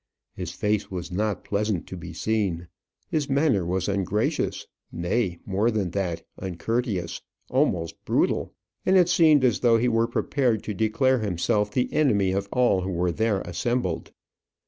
His face was not pleasant to be seen; his manner was ungracious, nay, more than that, uncourteous almost brutal; and it seemed as though he were prepared to declare himself the enemy of all who were there assembled.